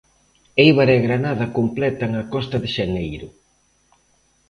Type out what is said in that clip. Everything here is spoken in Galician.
Eibar e Granada completan a costa de xaneiro.